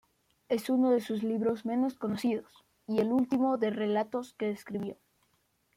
Es uno de sus libros menos conocidos, y el último de relatos que escribió.